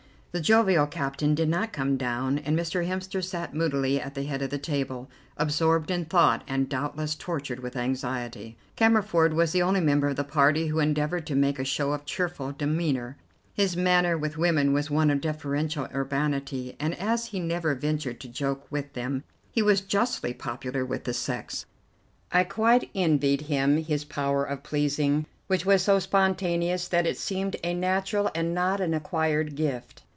The jovial captain did not come down, and Mr. Hemster sat moodily at the head of the table, absorbed in thought and doubtless tortured with anxiety. Cammerford was the only member of the party who endeavoured to make a show of cheerful demeanour. His manner with women was one of deferential urbanity, and, as he never ventured to joke with them, he was justly popular with the sex. I quite envied him his power of pleasing, which was so spontaneous that it seemed a natural and not an acquired gift.